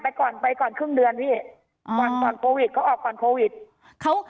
ก่อนไปก่อนครึ่งเดือนพี่ก่อนก่อนโควิดเขาออกก่อนโควิดเขา